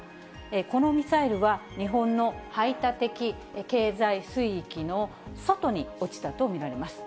このミサイルは、日本の排他的経済水域の外に落ちたと見られます。